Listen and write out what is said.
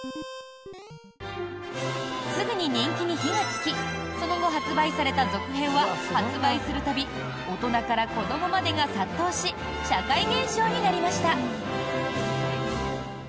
すぐに人気に火がつきその後発売された続編は発売する度大人から子どもまでが殺到し社会現象になりました。